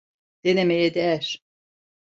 Denemeye değer.